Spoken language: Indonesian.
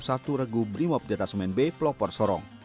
satu regu berimob di atas umen b pelopor sorong